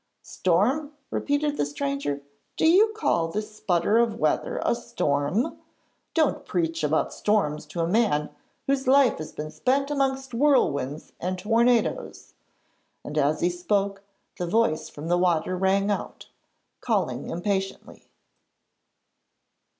'Storm!' repeated the stranger. 'Do you call this sputter of weather a storm? Don't preach about storms to a man whose life has been spent amongst whirlwinds and tornadoes,' and as he spoke, the voice from the water rang out, calling impatiently.